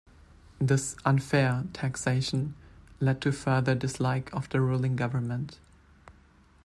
This "unfair" taxation led to further dislike of the ruling government.